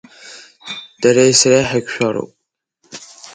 Дареи сареи ҳаиқәшәароуп!